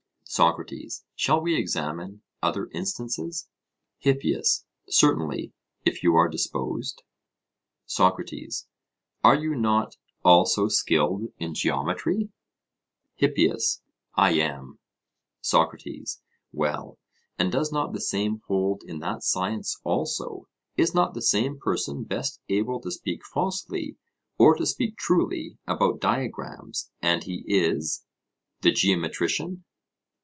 SOCRATES: Shall we examine other instances? HIPPIAS: Certainly, if you are disposed. SOCRATES: Are you not also skilled in geometry? HIPPIAS: I am. SOCRATES: Well, and does not the same hold in that science also? Is not the same person best able to speak falsely or to speak truly about diagrams; and he is the geometrician?